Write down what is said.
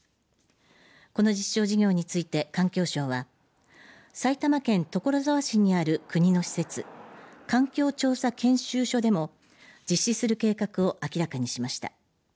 この実証事業について環境省は埼玉県所沢市にある国の施設環境調査研修所でも実施する計画を明らかにしました。